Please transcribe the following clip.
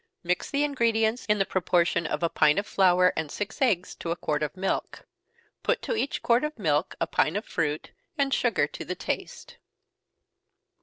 Mix the ingredients in the proportion of a pint of flour and six eggs to a quart of milk. Put to each quart of milk a pint of fruit, and sugar to the taste.